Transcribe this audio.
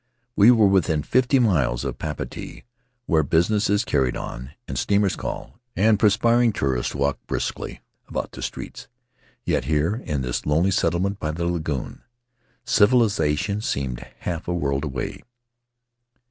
We were within fifty miles of Papeete, where business is carried on, and steamers call, and perspiring tourists walk briskly about the streets; yet here, in this lonely settlement by the lagoon, civilization seemed half a Ill the Valley of Vaitia world away.